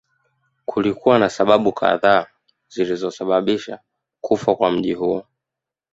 Kulikuwa na sababu kadhaa zilizosababisha kufa kwa mji huo